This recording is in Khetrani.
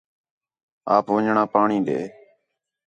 آپ وَن٘ڄاں پاݨی ݙے